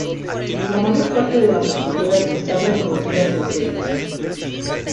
La mayor parte de las esculturas están reproducidas en series.